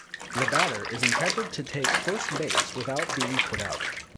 The batter is entitled to take first base without being put out.